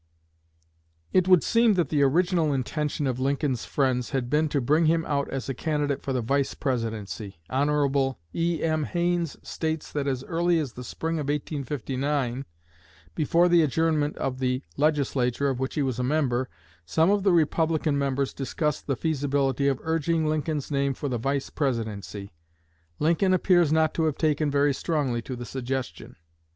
It would seem that the original intention of Lincoln's friends had been to bring him out as a candidate for the Vice Presidency. Hon. E.M. Haines states that as early as the spring of 1859, before the adjournment of the Legislature of which he was a member, some of the Republican members discussed the feasibility of urging Lincoln's name for the Vice Presidency. Lincoln appears not to have taken very strongly to the suggestion.